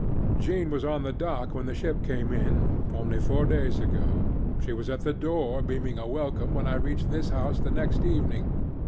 Jean was on the dock when the ship came in, only four days ago. She was at the door, beaming a welcome, when I reached this house the next evening.